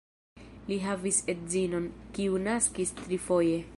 Li havis edzinon, kiu naskis trifoje.